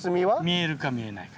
見えるか見えないか。